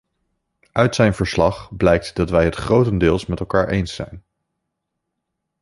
Uit zijn verslag blijkt dat wij het grotendeels met elkaar eens zijn.